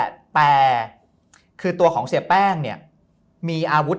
เดี๋ยวที่สุดนั่นแหละแต่คือตัวของเสียแป้งเนี่ยมีอาวุธ